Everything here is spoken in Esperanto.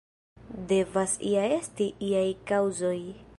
Devas ja esti iaj kaŭzoj.